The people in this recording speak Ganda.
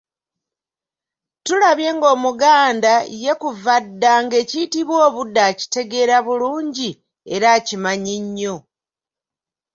Tulabye ng'Omuganda ye kuva dda nga ekiyitibwa obudde akitegeera bulungi era akimanyi nnyo .